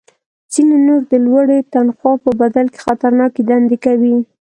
ځینې نور د لوړې تنخوا په بدل کې خطرناکې دندې کوي